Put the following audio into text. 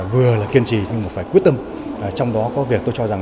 vừa là kiên trì nhưng mà phải quyết tâm